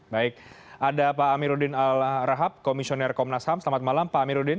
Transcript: baik ada pak amiruddin al rahab komisioner komnas ham selamat malam pak amiruddin